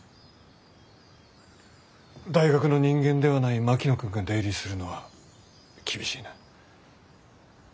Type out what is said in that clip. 大学の人間ではない槙野君が出入りするのは厳しいな。